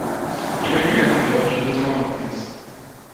Il a lieu à New York, notamment dans le Queens.